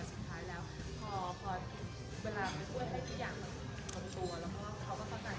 ก็ไม่เคยสูญกับหลายเพื่อนไม่เคยแบบคิดแบบไม่จริงใจแล้วก็พูดดี